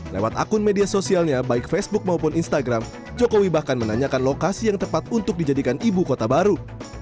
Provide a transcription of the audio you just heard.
lewat akun media sosialnya baik facebook maupun instagram jokowi bahkan menanyakan lokasi yang tepat untuk dijadikan ibu kota baru